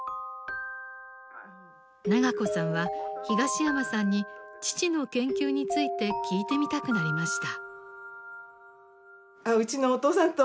永子さんは東山さんに父の研究について聞いてみたくなりました。